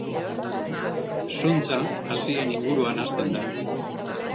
Zuntza hazien inguruan hazten da.